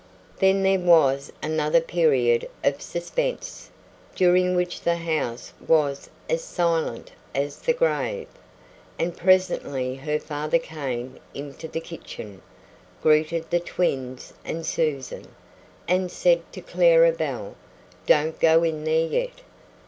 Then there was another period of suspense, during which the house was as silent as the grave, and presently her father came into the kitchen, greeted the twins and Susan, and said to Clara Belle: "Don't go in there yet!"